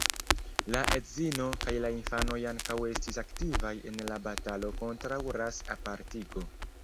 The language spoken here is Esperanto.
La edzino kaj la infanoj ankaŭ estis aktivaj en la batalo kontraŭ ras-apartigo.